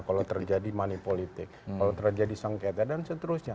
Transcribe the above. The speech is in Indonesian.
kalau terjadi money politik kalau terjadi sengketa dan seterusnya